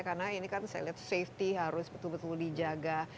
karena ini kan saya lihat safety harus betul betul dijaga